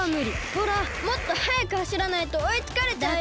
ほらもっとはやくはしらないとおいつかれちゃうよ。